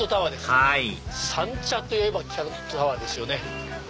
はい三茶といえばキャロットタワーですよね。